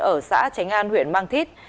ở xã tránh an huyện mang thít